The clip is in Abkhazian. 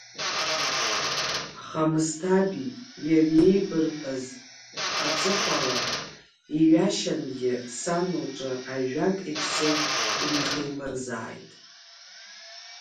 Аха Мысҭаабеии иареи еибырҳәаз аҵыхәала, иҩа-шьангьы, сан лҿы ажәак иԥсы инахимырзааит.